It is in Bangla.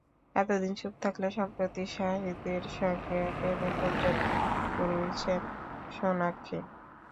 এতদিন চুপ থাকলেও, সম্প্রতি শাহিদের সঙ্গে প্রেমের গুঞ্জন নিয়ে মুখ খুলেছেন সোনাক্ষী।